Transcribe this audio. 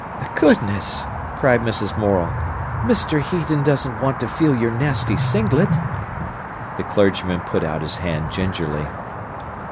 "Goodness!" cried Mrs. Morel. "Mr. Heaton doesn't want to feel your nasty singlet." The clergyman put out his hand gingerly.